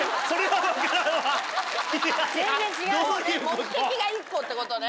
目的が１個ってことね。